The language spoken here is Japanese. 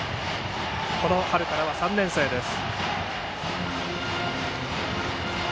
この春からは３年生です。